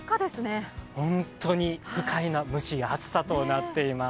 本当に不快な蒸し暑さとなっています。